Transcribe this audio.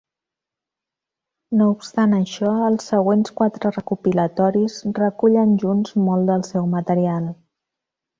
No obstant això, els següents quatre recopilatoris recullen junts molt del seu material.